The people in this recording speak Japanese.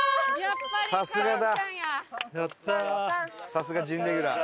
さすが準レギュラー。